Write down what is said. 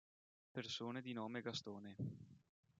Persone di nome Gastone